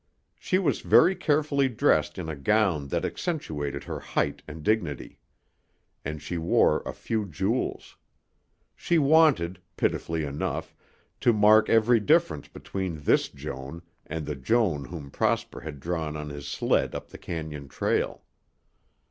She was very carefully dressed in a gown that accentuated her height and dignity. And she wore a few jewels. She wanted, pitifully enough, to mark every difference between this Joan and the Joan whom Prosper had drawn on his sled up the cañon trail.